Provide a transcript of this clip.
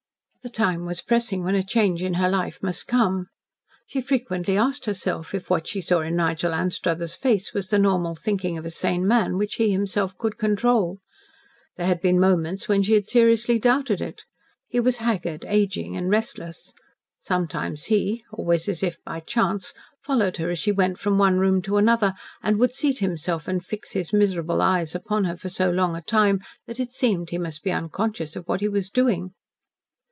The time was pressing when a change in her life must come. She frequently asked herself if what she saw in Nigel Anstruthers' face was the normal thinking of a sane man, which he himself could control. There had been moments when she had seriously doubted it. He was haggard, aging and restless. Sometimes he always as if by chance followed her as she went from one room to another, and would seat himself and fix his miserable eyes upon her for so long a time that it seemed he must be unconscious of what he was doing.